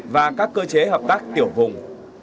và các cơ chế hợp tác tiểu vùng